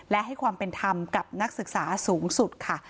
และให้ความเป็นธรรมกับนักศึกษาสูงสุดค่ะ